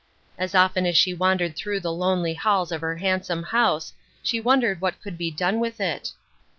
As often as she wandered through the lonely halls of her hand some house she wondered what could be done with it.